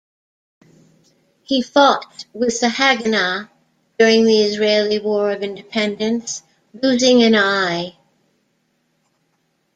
He fought with the Haganah during the Israeli War of Independence, losing an eye.